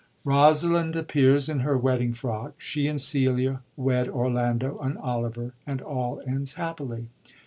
Rosalind appears in her wedding frock ; she and Celia wed Orlando and Oliver, and all ends happily.